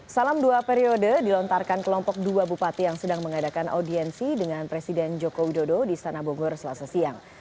salam dua periode dilontarkan kelompok dua bupati yang sedang mengadakan audiensi dengan presiden joko widodo di istana bogor selasa siang